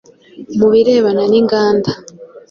mu birebana n’inganda